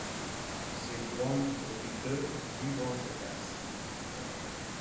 Ces grands hôpitaux vivent en autarcie.